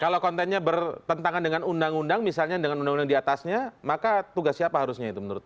kalau kontennya bertentangan dengan undang undang misalnya dengan undang undang diatasnya maka tugas siapa harusnya itu menurut